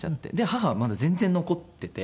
母はまだ全然残ってて。